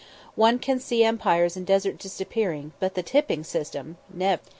One can see empires and deserts disappearing, but the tipping system never!